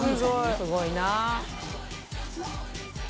すごいな。